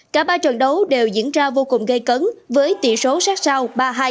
cả ba trận đấu đều diễn ra vô cùng gây cấn với tỷ số sát sao ba hai